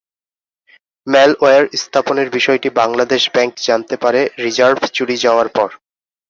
Malware স্থাপনের বিষয়টি Bangladesh bank জানতে পারে রিজার্ভ চুরি যাওয়ার পর।